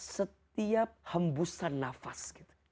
setiap hembusan nafas